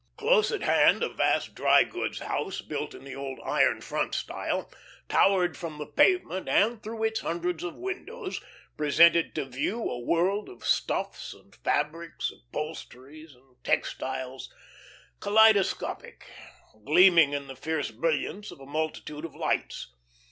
Close at hand a vast dry goods house, built in the old "iron front" style, towered from the pavement, and through its hundreds of windows presented to view a world of stuffs and fabrics, upholsteries and textiles, kaleidoscopic, gleaming in the fierce brilliance of a multitude of lights.